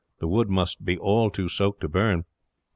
The wood must be all too soaked to burn."